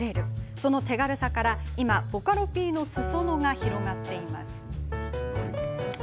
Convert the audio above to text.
その手軽さから今、ボカロＰのすそ野が広がっています。